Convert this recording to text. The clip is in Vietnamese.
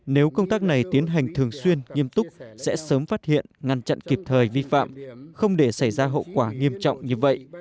nếu công tác này tiến hành thường xuyên nghiêm túc sẽ sớm phát hiện ngăn chặn kịp thời vi phạm không để xảy ra hậu quả nghiêm trọng như vậy